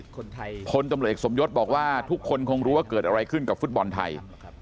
คนตำรวจเอกสมยศบอกว่าทุกคนคงรู้ว่าเกิดอะไรขึ้นกับฟุตบอลไทย